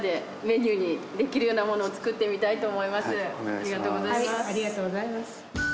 ありがとうございます。